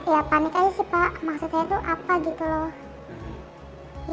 ya panik aja sih pak maksudnya itu apa gitu loh